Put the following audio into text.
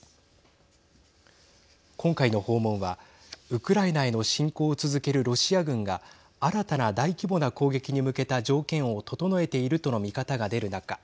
今回の訪問はウクライナへの侵攻を続けるロシア軍が新たな大規模な攻撃に向けた条件を整えているとの見方が出る中